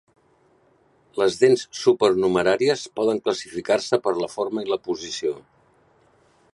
Les dents supernumeràries poden classificar-se per la forma i la posició.